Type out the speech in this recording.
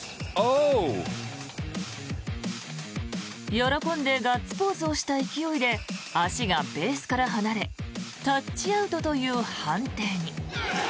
喜んでガッツポーズをした勢いで足がベースから離れタッチアウトという判定に。